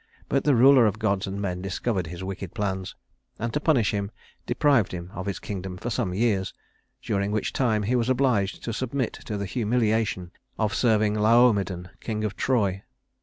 But the ruler of gods and men discovered his wicked plans, and to punish him deprived him of his kingdom for some years, during which time he was obliged to submit to the humiliation of serving Laomedon, king of Troy.